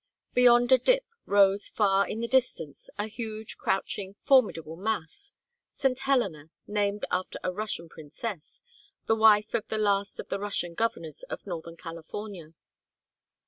Beyond a dip rose, far in the distance, a huge crouching formidable mass St. Helena, named after a Russian princess, the wife of the last of the Russian governors of northern California.